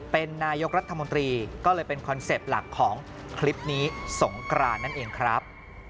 เป็นนายกรัฐมนตรีก็เลยเป็นคอนเซ็ปต์หลักของคลิปนี้สงกรานนั่นเองครับ